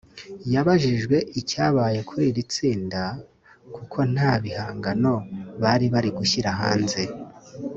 yabajijwe icyabaye kuri iri tsinda kuko nta bihangano bari bari gushyira hanze